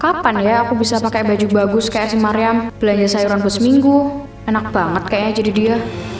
kapan ya aku bisa pakai baju bagus kayak si mariam belanja sayuran buat seminggu enak banget kayaknya jadi dia